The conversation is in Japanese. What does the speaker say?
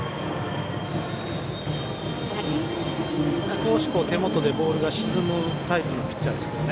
少し手元でボールが沈むタイプのピッチャーです。